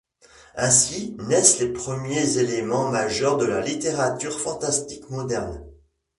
Ainsi naissent les premiers éléments majeurs de la littérature fantastique moderne.